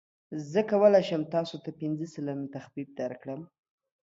زه کولی شم تاسو ته پنځه سلنه تخفیف درکړم.